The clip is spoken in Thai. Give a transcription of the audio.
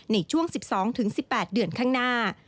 ในช่วง๑๒๑๘เดือนข้างหน้า